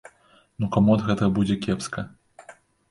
Ну каму ад гэтага будзе кепска?